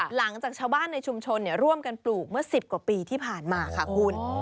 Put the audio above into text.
หลังจากชาวบ้านในชุมชนร่วมกันปลูกเมื่อ๑๐กว่าปีที่ผ่านมาค่ะคุณ